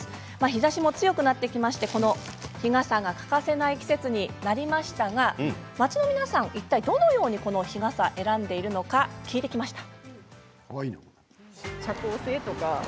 日ざしも強くなってきましてこの日傘が欠かせない季節になりましたが町の皆さん、いったいどのようにこの日傘を選んでいるのか聞いてきました。